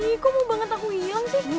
ih kok mau banget aku ilang sih